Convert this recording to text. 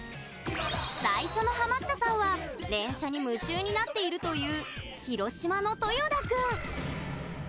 最初のハマったさんは連射に夢中になっているという広島の豊田君。